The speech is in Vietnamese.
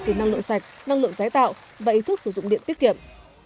từ năng lượng sạch năng lượng tái tạo và ý thức sử dụng điện tiết kiệm